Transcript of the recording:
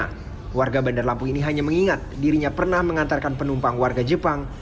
karena warga bandar lampung ini hanya mengingat dirinya pernah mengantarkan penumpang warga jepang